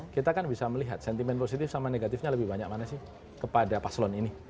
kita kan bisa melihat sentimen positif sama negatifnya lebih banyak mana sih kepada paslon ini